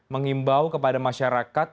mengimbau kepada masyarakat